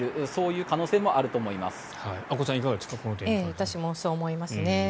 私もそう思いますね。